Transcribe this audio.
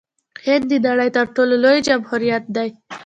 هند د نړۍ تر ټولو لوی جمهوریت دی.